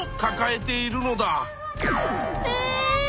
え！